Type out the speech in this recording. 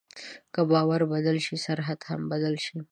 که باور بدل شي، سرحد هم بدل شي.